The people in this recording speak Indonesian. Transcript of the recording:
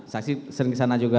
saksi sering ke sana juga